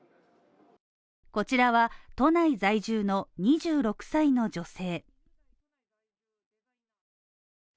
こちらは都内在住の２６歳の女性。